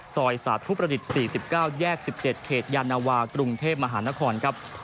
สาธุประดิษฐ์๔๙แยก๑๗เขตยานวากรุงเทพมหานครครับ